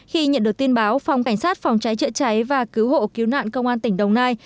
khi nhận được tin báo phòng cảnh sát phòng cháy chữa cháy và cứu hộ cứu nạn công an tỉnh đồng nai